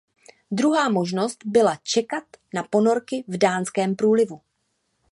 Druhá možnost byla čekat na ponorky v Dánskem průlivu.